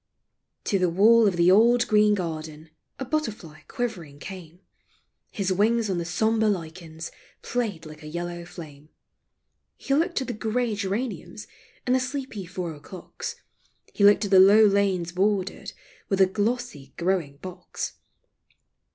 To the wall of the old green garden A butterfly quivering came ; His wings on the sombre lichens Played like a yellow flame. 180 POEMS OF FAXCY. He looked at the gray geraniums, And the sleepy four o' cloeks, He looked at the low lanes bordered With the glossy growing box.